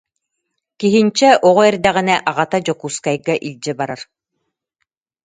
Киһинчэ оҕо эрдэҕинэ аҕата Дьокуускайга илдьэ барар